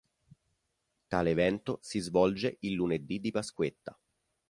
Tale evento si svolge il lunedì di pasquetta.